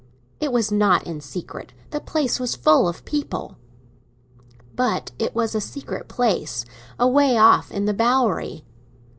"It was not in secret; the place was full of people." "But it was a secret place—away off in the Bowery."